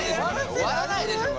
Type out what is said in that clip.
終わらないでしょこれ。